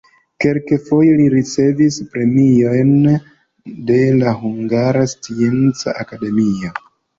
Kelkfoje li ricevis premiojn de la Hungara Scienca Akademio.